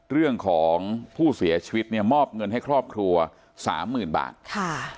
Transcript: เรื่องของผู้เสียชีวิตเนี่ยมอบเงินให้ครอบครัวสามหมื่นบาทค่ะ